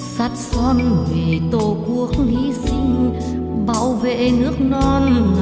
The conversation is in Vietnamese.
sát son người tổ quốc nghỉ sinh bảo vệ nước non ngàn đời sang người